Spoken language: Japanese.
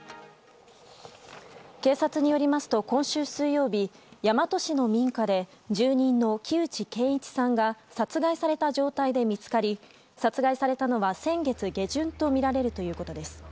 警察によりますと、今週水曜日大和市の民家で住人の木内健一さんが殺害された状態で見つかり殺害されたのは先月下旬とみられるということです。